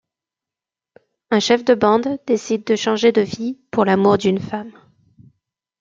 Un chef de bande décide de changer de vie pour l'amour d'une femme.